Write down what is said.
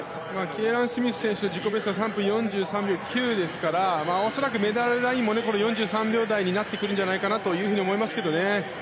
キエラン・スミス選手は自己ベストが３分４３秒９ですから恐らくメダルラインも４３秒台になってくるんじゃないかと思いますが。